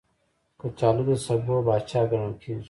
کچالو د سبو پاچا ګڼل کېږي